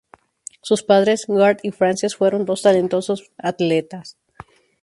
Sus padres, Garth y Frances, fueron dos talentosos atletas.